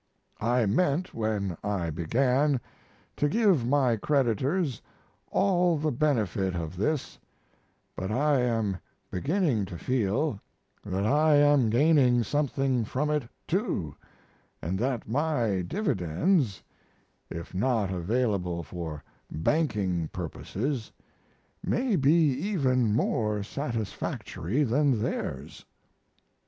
I meant, when I began, to give my creditors all the benefit of this, but I am beginning to feel that I am gaining something from it, too, and that my dividends, if not available for banking purposes, may be even more satisfactory than theirs.